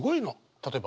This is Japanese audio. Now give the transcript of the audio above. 例えば？